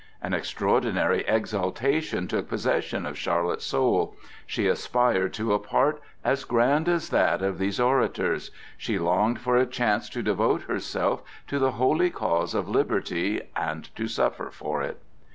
An extraordinary exaltation took possession of Charlotte's soul; she aspired to a part as grand as that of these orators; she longed for a chance to devote herself to the holy cause of liberty and to suffer for it.